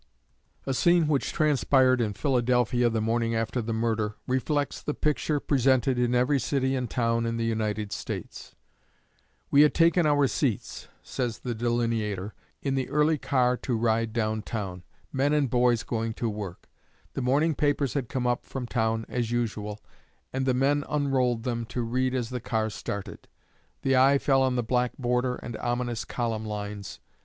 A scene which transpired in Philadelphia, the morning after the murder, reflects the picture presented in every city and town in the United States. "We had taken our seats," says the delineator, "in the early car to ride down town, men and boys going to work. The morning papers had come up from town as usual, and the men unrolled them to read as the car started. The eye fell on the black border and ominous column lines.